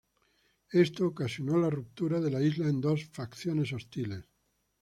Esto ocasionó la ruptura de la isla en dos facciones hostiles.